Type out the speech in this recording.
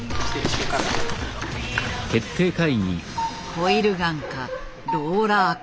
コイルガンかローラーか。